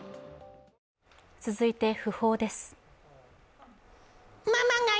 続いて訃報です。